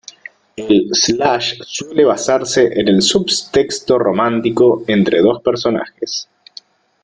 El slash suele basarse en el subtexto romántico entre dos personajes.